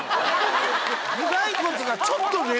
ちょっと。